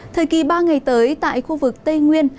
thời kỳ ba ngày tới tại khu vực tây nguyên